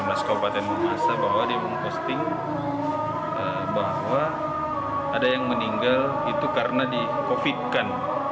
asmedi mengatakan bahwa ada yang meninggal karena di covid kan